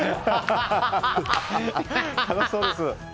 楽しそうです！